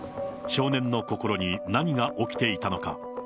少年の心に何が起きていたのか。